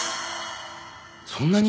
そんなに？